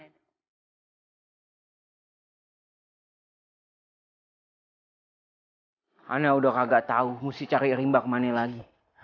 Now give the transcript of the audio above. saya udah gak tau harus cari rimbak kemana lagi